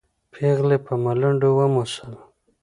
پېغلې په ملنډو وموسل.